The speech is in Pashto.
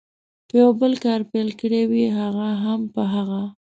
په یو بل کار پیل کړي وي، هغه هم په هغه.